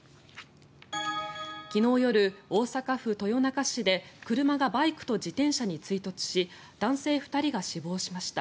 昨日夜、大阪府豊中市で車がバイクと自転車に追突し男性２人が死亡しました。